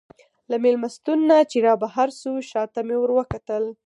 له مېلمستون نه چې رابهر شوو، شا ته مې وروکتل.